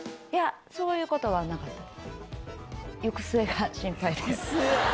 そういうことはなかったです。